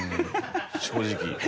正直。